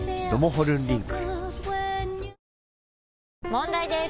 問題です！